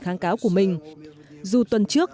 kháng cáo của mình dù tuần trước